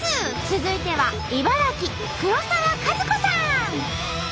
続いては茨城黒沢かずこさん！